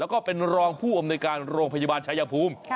แล้วก็เป็นรองผู้อำนวยการโรงพยาบาลชายภูมิ